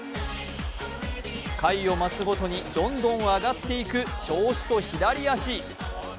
回を増すごとに、どんどん上がっていく調子と左足。